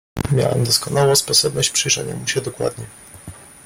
"Miałem doskonałą sposobność przyjrzenia mu się dokładnie."